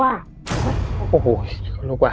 โอ้โหลูกว่